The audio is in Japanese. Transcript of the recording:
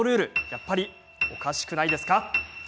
やっぱりおかしくないですか？